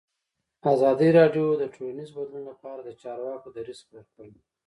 ازادي راډیو د ټولنیز بدلون لپاره د چارواکو دریځ خپور کړی.